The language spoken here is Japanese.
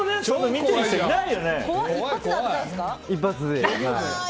一発で。